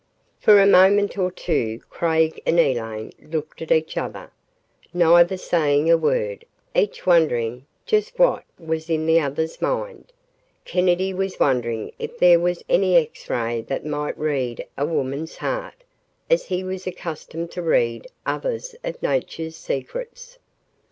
.. For a moment or two, Craig and Elaine looked at each other, neither saying a word, each wondering just what was in the other's mind. Kennedy was wondering if there was any X ray that might read a woman's heart, as he was accustomed to read others of nature's secrets.